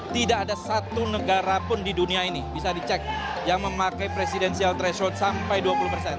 tidak ada satu negara pun di dunia ini bisa dicek yang memakai presidensial threshold sampai dua puluh persen